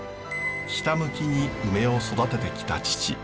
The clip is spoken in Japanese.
ひたむきにウメを育ててきた父。